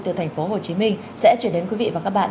từ thành phố hồ chí minh sẽ chuyển đến quý vị và các bạn